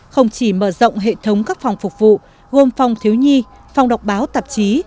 không chỉ mở rộng hệ thống các phòng phục vụ gồm phòng thiếu nhi phòng đọc báo tạp chí